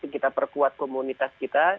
kita perkuat komunitas kita